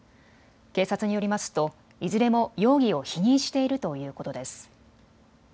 警察によりますといずれも容疑を否認しているということです。